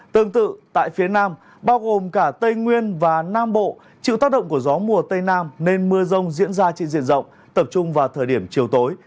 tương tự tại phía nam bao gồm cả tây nguyên và nam bộ chịu tác động của gió mùa tây nam nên mưa rông diễn ra trên diện rộng tập trung vào thời điểm chiều tối